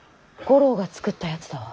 五郎が作ったやつだわ。